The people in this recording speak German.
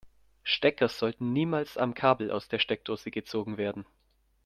Stecker sollten niemals am Kabel aus der Steckdose gezogen werden.